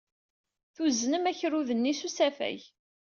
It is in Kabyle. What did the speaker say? Tuznem akerrud-nni s usafag.